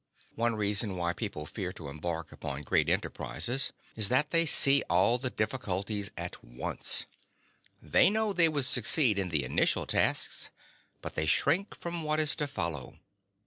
One reason why people fear to embark upon great enterprises is that they see all the difficulties at once. They know they could succeed in the initial tasks, but they shrink from what is to follow.